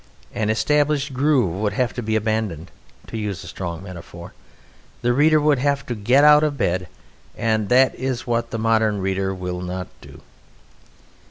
An established groove would have to be abandoned; to use a strong metaphor, the reader would have to get out of bed, and that is what the modern reader will not do.